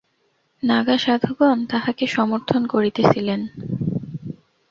নাগা সাধুগণ তাঁহাকে সমর্থন করিতেছিলেন।